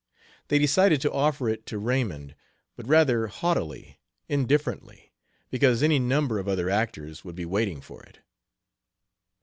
They decided to offer it to Raymond, but rather haughtily, indifferently, because any number of other actors would be waiting for it.